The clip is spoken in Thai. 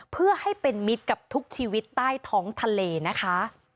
เพื่อให้เป็นมิตรกับทุกชีวิตใต้ท้องทะเลนะคะ